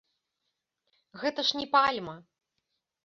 Гэта ж не пальма.